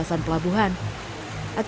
hampir satu meter ya